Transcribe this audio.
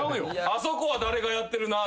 あそこは誰がやってるなぁ。